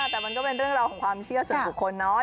แต่มันก็เป็นเรื่องราวของความเชื่อส่วนบุคคลเนาะ